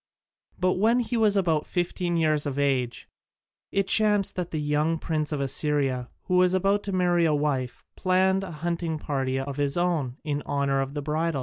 But when he was about fifteen years of age, it chanced that the young Prince of Assyria, who was about to marry a wife, planned a hunting party of his own, in honour of the bridal.